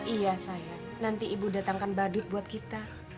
iya saya nanti ibu datangkan badut buat kita